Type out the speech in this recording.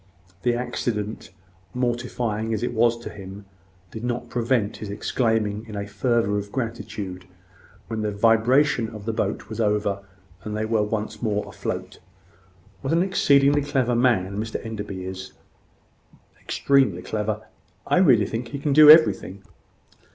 The accident, mortifying as it was to him, did not prevent his exclaiming in a fervour of gratitude, when the vibration of the boat was over, and they were once more afloat "What an exceedingly clever man Mr Enderby is!" "Extremely clever. I really think he can do everything."